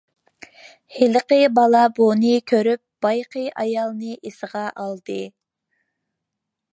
ھېلىقى بالا بۇنى كۆرۈپ بايىقى ئايالنى ئېسىگە ئالدى.